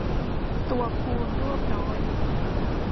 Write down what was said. ตัวคูณร่วมน้อย